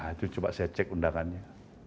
nah itu coba saya cek undangannya